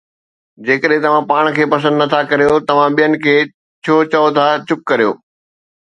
جيڪڏهن توهان پاڻ کي پسند نٿا ڪريو، توهان ٻين کي ڇو چئو ٿا چپ ڪريو؟